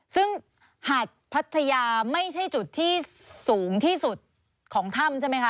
ซึ่งหาดพัทยาไม่ใช่จุดที่สูงที่สุดของถ้ำใช่ไหมคะ